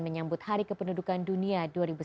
menyambut hari kependudukan dunia dua ribu sembilan belas